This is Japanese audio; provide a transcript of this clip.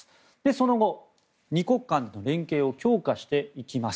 その後、２国間の連携を強化していきます。